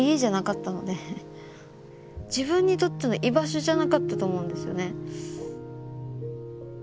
自分にとっての居場所じゃなかったと思うんですよね。